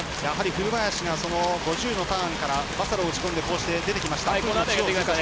古林が５０のターンからバサロを打ち込んで出てきました。